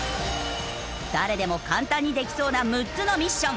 誰でも簡単にできそうな６つのミッション。